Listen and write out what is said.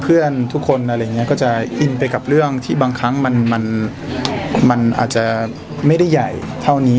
เพื่อนทุกคนอะไรอย่างนี้ก็จะอินไปกับเรื่องที่บางครั้งมันอาจจะไม่ได้ใหญ่เท่านี้